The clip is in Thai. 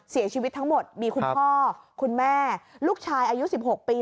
เสียชีวิตทั้งหมดมีคุณพ่อคุณแม่ลูกชายอายุ๑๖ปี